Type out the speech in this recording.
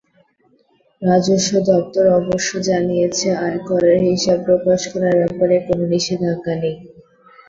রাজস্ব দপ্তর অবশ্য জানিয়েছে, আয়করের হিসাব প্রকাশ করার ব্যাপারে কোনো নিষেধাজ্ঞা নেই।